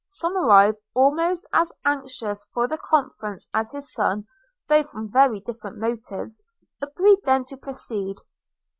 Somerive, almost as anxious for the conference as his son, though from very different motives, agreed then to proceed.